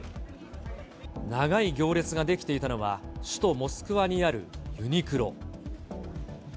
長い行列が出来ていたのは、首都モスクワにあるユニクロ。